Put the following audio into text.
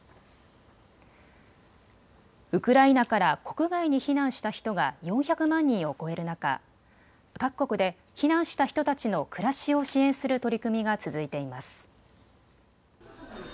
ウクライナから国外に避難した人が４００万人を超える中、各国で避難した人たちの暮らしを支援する取り組みが続いています。